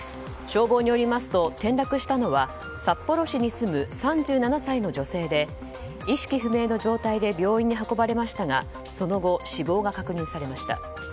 消防によりますと転落したのは札幌市に住む３７歳の女性で意識不明の状態で病院に運ばれましたがその後、死亡が確認されました。